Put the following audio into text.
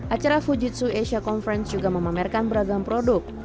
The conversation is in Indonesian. acara fujitsu asia conference juga memamerkan beragam produk